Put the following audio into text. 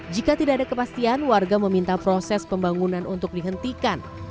jika tidak ada kepastian warga meminta proses pembangunan untuk dihentikan